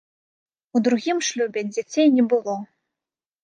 У другім шлюбе дзяцей не было.